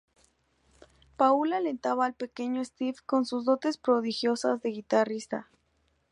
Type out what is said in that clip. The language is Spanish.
Paul alentaba al pequeño Steve con sus dotes prodigiosas de guitarrista.